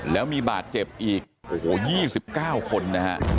แล้วมีบาดเจ็บอีกโอ้โห๒๙คนนะฮะ